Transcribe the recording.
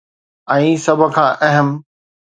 ۽ سڀ کان اهم.